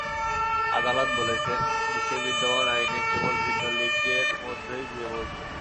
আদালত বলেছেন, দেশের বিদ্যমান আইনে কেবল ভিন্ন লিঙ্গের মধ্যেই বিয়ে বৈধ।